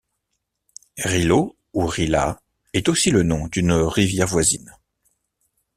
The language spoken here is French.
Rylo ou Ryla est aussi le nom d'une rivière voisine.